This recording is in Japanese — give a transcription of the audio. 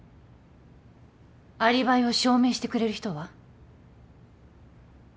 アリバイを証明してくれる人は？